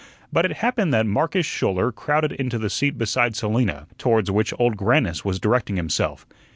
But it happened that Marcus Schouler crowded into the seat beside Selina, towards which Old Grannis was directing himself.